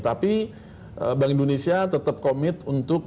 tapi bank indonesia tetap komit untuk